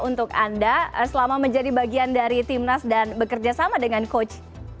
untuk anda selama menjadi bagian dari timnas dan bekerja sama dengan coach